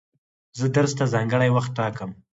زه درس ته ځانګړی وخت ټاکم.